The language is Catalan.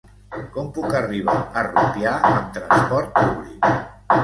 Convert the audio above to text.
Com puc arribar a Rupià amb trasport públic?